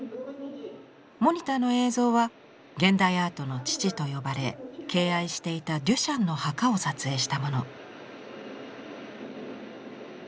モニターの映像は現代アートの父と呼ばれ敬愛していたデュシャンの墓を撮影したもの。